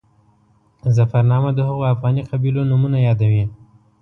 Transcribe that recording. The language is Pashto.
ظفرنامه د هغو افغاني قبیلو نومونه یادوي.